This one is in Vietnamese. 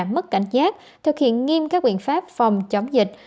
mất cảnh giác thực hiện nghiêm các biện pháp phòng chống dịch